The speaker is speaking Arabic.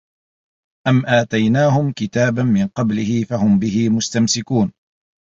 أَم آتَيناهُم كِتابًا مِن قَبلِهِ فَهُم بِهِ مُستَمسِكونَ